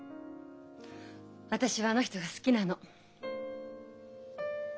私はあの人が好きなの。